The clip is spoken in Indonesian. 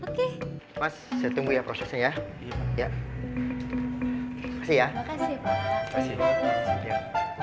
oke mas saya tunggu ya prosesnya ya iya ya makasih ya makasih pak makasih ya